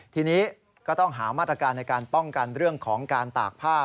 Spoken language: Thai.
ทีนี้ก็ต้องหามาตรการในการป้องกันเรื่องของการตากผ้า